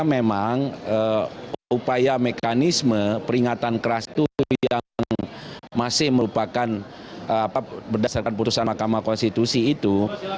memang upaya mekanisme peringatan keras itu yang masih merupakan berdasarkan putusan mahkamah konstitusi itu